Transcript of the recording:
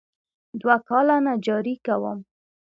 دوه کاله نجاري کوم.